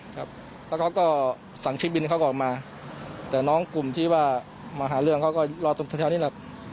ครับแล้วเขาก็สั่งชิปบินเขาก็ออกมาแต่น้องกลุ่มที่ว่ามาหาเรื่องเขาก็รอตรงแถวนี้แหละ